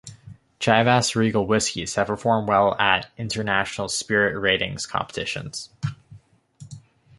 Chivas Regal whiskies have performed well at international spirit ratings competitions.